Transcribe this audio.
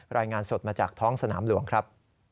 รายงานสดมาจากท้องสนามหลวงครับ